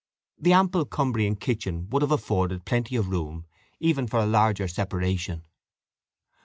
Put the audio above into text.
The ample Cumbrian kitchen would have afforded plenty of room, even for a larger separation.